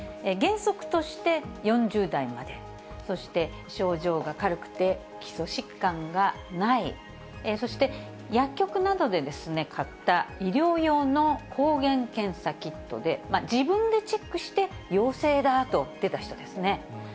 原則として４０代まで、そして症状が軽くて、基礎疾患がない、そして薬局などで買った医療用の抗原検査キットで、自分でチェックして陽性だと出た人ですね。